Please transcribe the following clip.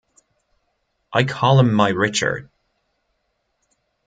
I call him my Richard!